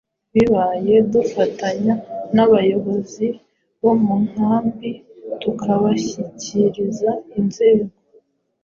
bibaye dufatanya n’abayobozi bo mu nkambi tukabashyikiriza inzego